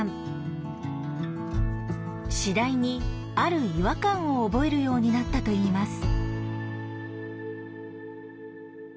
次第にある違和感を覚えるようになったといいます。